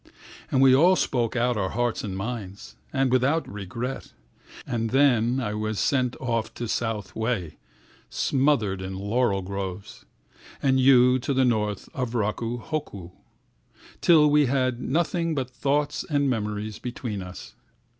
And we all spoke out our hearts and minds …and without regret. And then I was sent off to South Wei, smothered in laurel groves, And you to the north of Raku hoku, Till we had nothing but thoughts and memories between us.